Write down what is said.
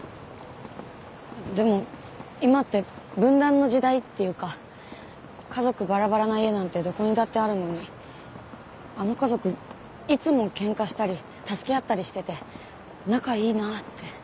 でも今って分断の時代っていうか家族バラバラな家なんてどこにだってあるのにあの家族いつも喧嘩したり助け合ったりしてて仲いいなあって。